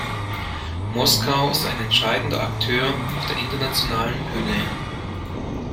Moskau ist ein entscheidender Akteur auf der internationalen Bühne.